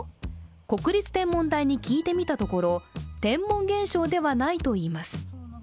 国立天文台に聞いてみたところ天文現象ではないといいます。